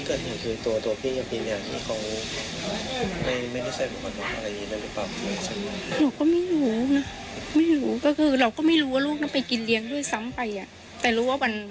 ก็คือแค่นั้นเนี่ยเราก็ทำงานได้เลยอยู่ในตลาดเราก็ทำงานอยู่